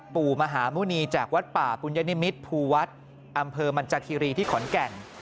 ปู่มหาหมุณีจากวัดป่าปุญญนิมิตรภูวัฒน์อำเภอมันจาคิรีที่ขอนแก่น